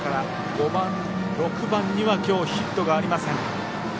５番、６番にはきょう、ヒットがありません。